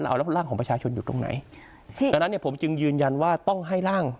เอาแล้วร่างของประชาชนอยู่ตรงไหนดังนั้นเนี่ยผมจึงยืนยันว่าต้องให้ร่าง